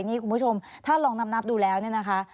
นี่คุณผู้ชมถ้าลองนำนับดูแล้วนะคะ